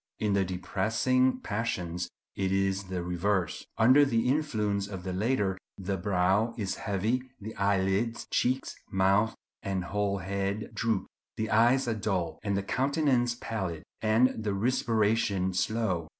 In the depressing passions it is the reverse." Under the influence of the latter the brow is heavy, the eyelids, cheeks, mouth, and whole head droop; the eyes are dull; the countenance pallid, and the respiration slow.